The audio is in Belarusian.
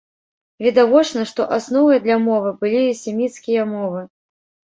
Відавочна, што асновай для мовы былі семіцкія мовы.